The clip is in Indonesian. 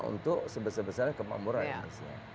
untuk sebesar besarnya kemampuan rakyat